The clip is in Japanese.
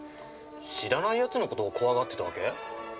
知らない奴の事を怖がってたわけ？